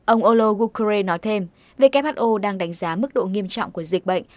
ông olo gukre nói thêm who đang đánh giá mức độ nghiêm trọng của dịch bệnh